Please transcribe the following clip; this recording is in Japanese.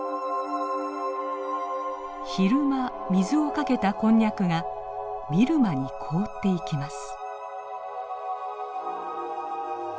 昼間水をかけたこんにゃくが見るまに凍っていきます。